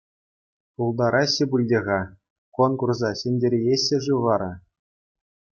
Пултараҫҫӗ пуль те-ха, конкурса ҫӗнтерееҫҫӗ-ши вара?